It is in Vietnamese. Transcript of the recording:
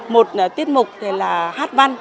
một tiết mục là hát văn